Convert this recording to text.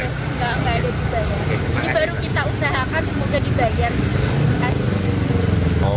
nggak nggak ada dibayar ini baru kita usahakan semoga dibayar